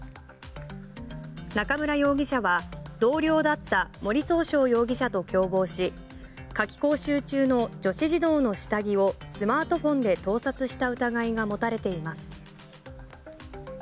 中村容疑者は同僚だった森崇翔容疑者と共謀し夏季講習中の女子児童の下着をスマートフォンで盗撮した疑いが持たれています。